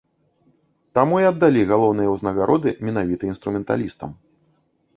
Таму і аддалі галоўныя ўзнагароды менавіта інструменталістам.